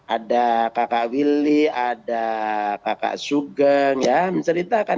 ada kakak willy ada kakak sugeng ya menceritakan